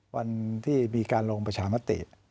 วันที่มีการลงประชามติ